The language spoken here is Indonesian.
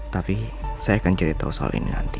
tapi saya akan cerita soal ini nanti